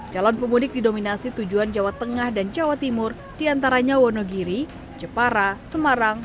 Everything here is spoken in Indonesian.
calon pemudik didominasi tujuan jawa tengah dan jawa timur diantaranya wonogiri jepara semarang